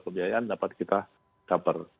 pembiayaan dapat kita caper